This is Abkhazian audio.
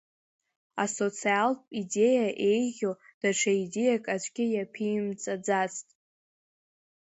Асоциалисттә идеиа еиӷьу даҽа идеиак аӡәгьы иаԥимҵаӡацт.